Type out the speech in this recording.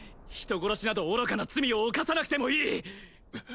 人殺しなど愚かな罪を犯さなくてもいい！